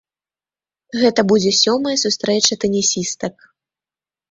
Гэта будзе сёмая сустрэча тэнісістак.